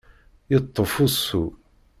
Yeṭṭef usu.